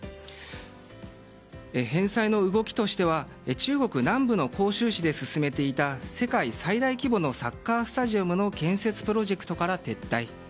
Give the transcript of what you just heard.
返済の動きとしては中国南部の広州市で進めていた世界最大規模のサッカースタジアムの建設プロジェクトから撤退。